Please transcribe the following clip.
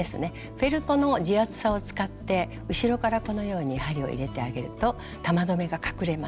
フェルトの地厚さを使って後ろからこのように針を入れてあげると玉留めが隠れます。